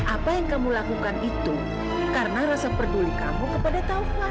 apa yang kamu lakukan itu karena rasa peduli kamu kepada taufan